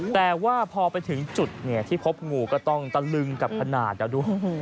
แต่ว่าพอไปถึงจุดที่พบงูก็ต้องตะลึงกับขนาดนะดู